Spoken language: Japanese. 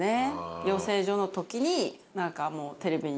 養成所のときに何かもうテレビに。